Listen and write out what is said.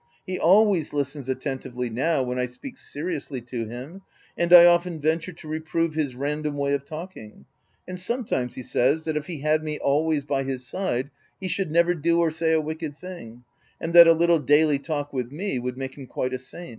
He always listens attentively now T , when I speak seriously to him, (and I often venture to reprove his random way of talking,) and sometimes he says that if he had me always by his side he should never do or say a wicked thing, and that a little daily talk with me would make him quite a saint.